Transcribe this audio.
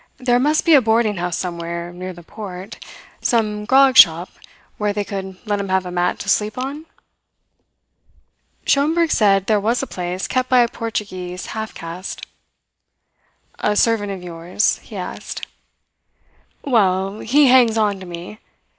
"There must be a boarding house somewhere near the port some grog shop where they could let him have a mat to sleep on?" Schomberg said there was a place kept by a Portuguese half caste. "A servant of yours?" he asked. "Well, he hangs on to me.